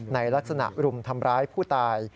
ในลักษณะรุมทำร้ายผู้ตาย